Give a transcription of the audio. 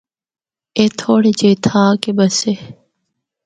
اے تھوڑے جے اِتھا آ کے بسے۔